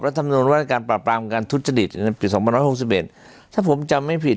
และทำงานว่าการปรับปรามการทุจจดิตปี๒๖๑ถ้าผมจำไม่ผิด